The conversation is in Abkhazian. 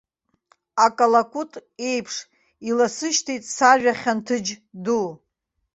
Акалакут еиԥш иласышьҭит сажәа хьанҭыџь ду.